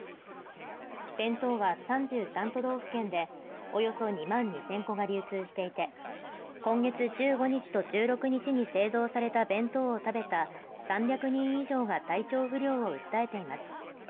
弁当は３３都道府県でおよそ２間つん２０００個が流通していて今月１５日と１６日に製造された弁当を食べた３００人以上が体調不良を訴えています。